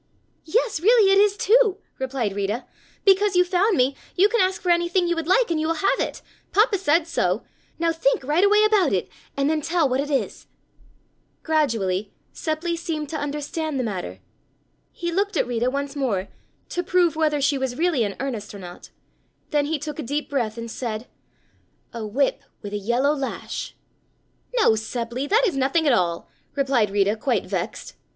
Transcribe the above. "Yes, really, it is, too," replied Rita, "because you found me you can ask for anything you would like, and you will have it. Papa said so. Now think right away about it and then tell what it is." Gradually Seppli seemed to understand the matter. He looked at Rita once more to prove whether she was really in earnest or not, then he took a deep breath and said: "A whip with a yellow lash." "No, Seppli, that is nothing at all," replied Rita quite vexed.